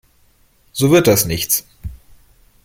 So wird das nichts.